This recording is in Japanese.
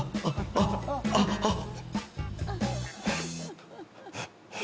あっあっあっ。